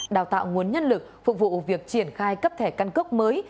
đào tạo nguồn nhân lực phục vụ việc triển khai cấp thẻ căn cước mới